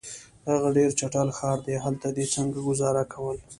هغه ډېر چټل ښار دی، هلته دي څنګه ګذاره کول؟